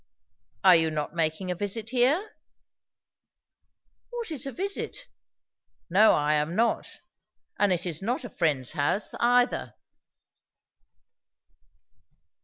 "Are you not making a visit here?" "What is a 'visit'? No, I am not. And, it is not a friend's house, either."